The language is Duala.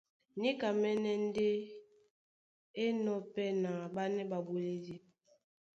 Níkamɛ́nɛ́ ndé é enɔ̄ pɛ́ na ɓánɛ́ ɓaɓoledi.